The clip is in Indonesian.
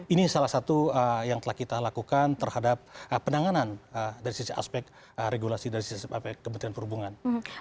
ini salah satu yang telah kita lakukan terhadap penanganan dari aspek regulasi dari kementerian perhubungan